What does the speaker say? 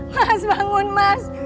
mas bangun mas